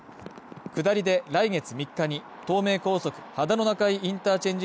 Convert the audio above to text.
下りで、来月３日に、東名高速秦野中井インターチェンジ